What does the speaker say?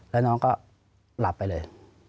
แล้วน้องก็หลับไปเลย